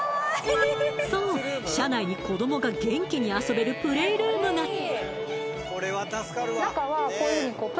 そう車内に子どもが元気に遊べるプレイルームが！